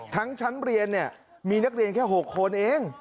ชั้นเรียนเนี่ยมีนักเรียนแค่๖คนเอง